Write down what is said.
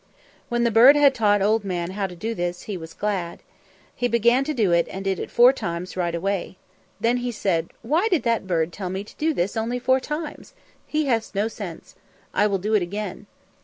When the bird had taught Old Man how to do this, he was glad. He began to do it, and did it four times right away. Then he said, "Why did that bird tell me to do this only four times? He has no sense. I will do it again."